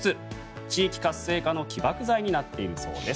地域活性化の起爆剤になっているそうです。